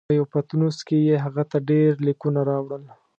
په یوه پتنوس کې یې هغه ته ډېر لیکونه راوړل.